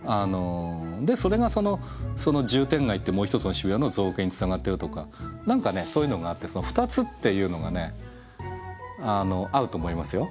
でそれがその渋天街ってもう一つの渋谷の造形につながってるとか何かねそういうのがあってその２つっていうのがね合うと思いますよ。